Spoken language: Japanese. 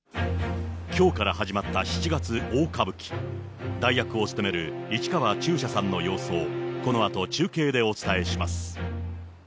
きょうから始まった七月大歌舞伎、代役を勤める市川中車さんの様子を、このあと中継でお伝えします。